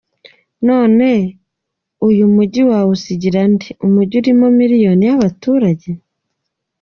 None uyu mujyi wawusigira nde, umujyi urimo miliyoni y’abaturage ?”.